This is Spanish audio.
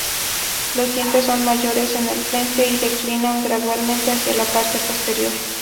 Los dientes son mayores en el frente y declinan gradualmente hacia la parte posterior.